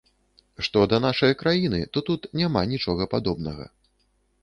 Што да нашае краіны, то тут няма нічога падобнага.